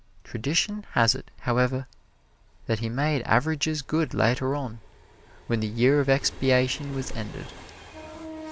Tradition has it, however, that he made averages good later on, when the year of expiation was ended.